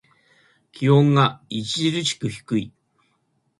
気温が著しく低い。